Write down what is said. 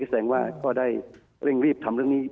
แสดงว่าก็ได้เร่งรีบทำเรื่องนี้